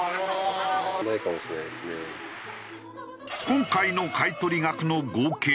今回の買い取り額の合計は？